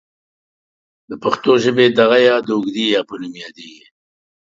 د پښتو ژبې دغه ې د اوږدې یا په نوم یادیږي.